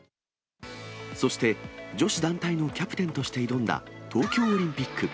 そして、女子団体のキャプテンとして挑んだ東京オリンピック。